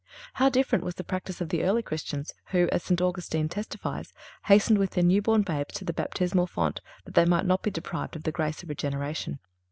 How different was the practice of the early Christians, who, as St. Augustine testifies, hastened with their new born babes to the baptismal font that they might not be deprived of the grace of regeneration.